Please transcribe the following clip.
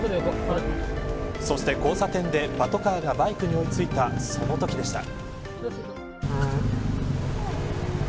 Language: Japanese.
そして交差点でパトカーがバイクに追いついた、そのときでした。